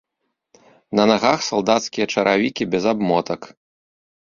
На нагах салдацкія чаравікі без абмотак.